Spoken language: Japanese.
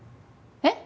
えっ？